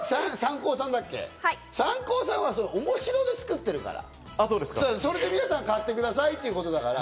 サンコーさん、面白で作ってるから、それで皆さん買ってくださいってことだから。